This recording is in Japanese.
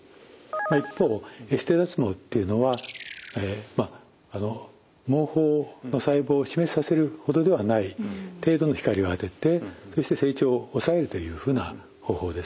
一方エステ脱毛っていうのは毛包の細胞を死滅させるほどではない程度の光を当ててそして成長を抑えるというふうな方法です。